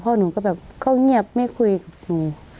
หนูก็แบบเขาเงียบไม่คุยกับหนู